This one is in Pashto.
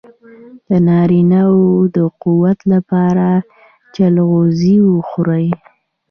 د نارینه وو د قوت لپاره چلغوزي وخورئ